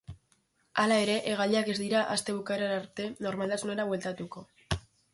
Hala ere, hegaldiak ez dira aste bukaerara arte normaltasunera bueltatuko.